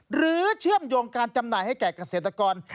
เชื่อมโยงการจำหน่ายให้แก่เกษตรกร